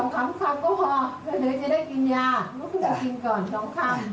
จัดตา